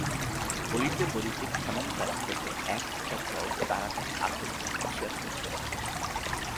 বলিতে বলিতে ক্ষেমংকরী চোখের এক ফোঁটা জল তাড়াতাড়ি আঁচল দিয়া মুছিয়া ফেলিলেন।